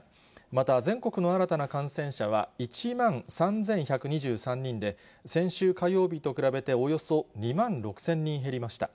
また全国の新たな感染者は１万３１２３人で、先週火曜日と比べておよそ２万６０００人減りました。